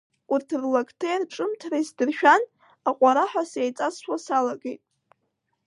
Урҭ рлакҭеи рҿымҭреи сдыршәан, аҟәараҳәа сеиҵасуа салагеит.